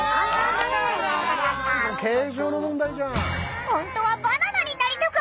形状の問題じゃん。